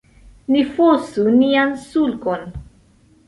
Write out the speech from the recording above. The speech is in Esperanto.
Ni fosu nian sulkon.